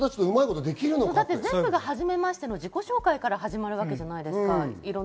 全部がはじめましての自己紹介から始めるわけじゃないですか。